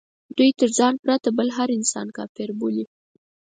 دوی تر ځان پرته بل هر انسان کافر بولي.